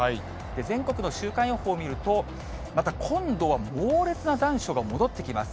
全国の週間予報見ると、また今度は猛烈な残暑が戻ってきます。